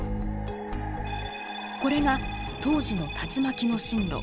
これが当時の竜巻の進路。